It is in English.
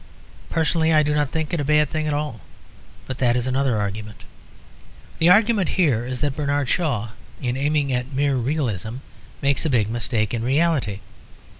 Personally I do not think it a bad thing at all; but that is another argument. The argument here is that Bernard Shaw, in aiming at mere realism, makes a big mistake in reality.